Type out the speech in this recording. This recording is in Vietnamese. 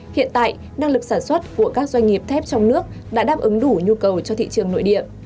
hiện tại năng lực sản xuất của các doanh nghiệp thép trong nước đã đáp ứng đủ nhu cầu cho thị trường nội địa